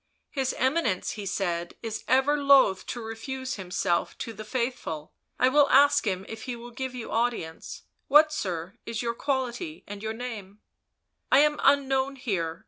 " His Eminence," he said, " is ever loath to refuse himself to be faithful; I will ask him if he will give you audience; what, sir, is your quality and your name 1" " I am unknown here